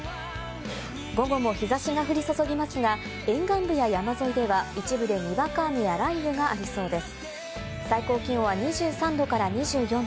午後も日差しが降り注ぎますが、沿岸部や山沿いでは、一部でにわか雨や雷雨がありそうです。